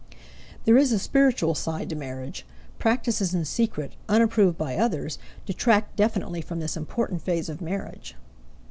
There is a spiritual side to marriage; practices in secret, unapproved by others, detract definitely from this important phase of marriage.